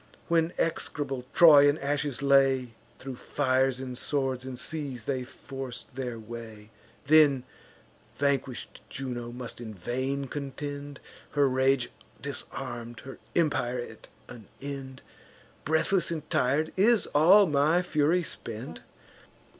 When execrable Troy in ashes lay, Thro' fires and swords and seas they forc'd their way. Then vanquish'd Juno must in vain contend, Her rage disarm'd, her empire at an end. Breathless and tir'd, is all my fury spent?